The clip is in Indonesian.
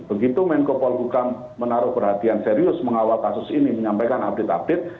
begitu menko polhukam menaruh perhatian serius mengawal kasus ini menyampaikan update update